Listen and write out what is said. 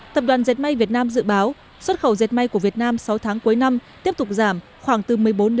tập đoàn dệt may việt nam dự báo xuất khẩu dệt may của việt nam sáu tháng cuối năm tiếp tục giảm khoảng từ một mươi bốn một mươi